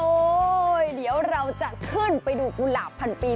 เดี๋ยวเราจะขึ้นไปดูกุหลาบพันปี